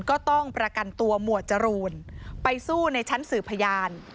ก็ต้องประกันตัวหมวดจรูนไปสู้ในชั้นสื่อพยาน